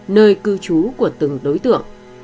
nơi cư trú của từng đối tượng